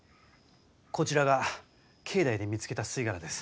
こちらが境内で見つけた吸い殻です。